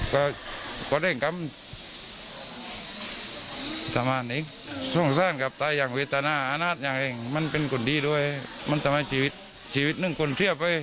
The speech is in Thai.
ก็ก็เร่งกรรมสมันต์นี้ส่งสร้างกับตายอย่างวิตนาอาณาจอย่างเองมันเป็นกลุ่นดีด้วยมันทำให้ชีวิตชีวิตนึงกลเทียบเว้ย